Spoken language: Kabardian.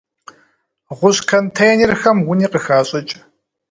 Гъущӏ контейнерхэм уни къыхащӏыкӏ.